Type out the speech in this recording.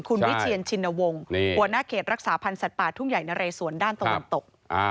คุณวิเชียนชินวงศ์หัวหน้าเขตรักษาพันธ์สัตว์ป่าทุ่งใหญ่นะเรสวนด้านตะวันตก